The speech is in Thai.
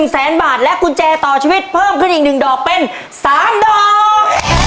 แสนบาทและกุญแจต่อชีวิตเพิ่มขึ้นอีก๑ดอกเป็น๓ดอก